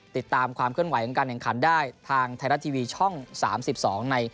ติดตามความก็ให้การถึงคันได้สร้างไทยรัททีวีช่อง๓๒ได้ขึ้นใน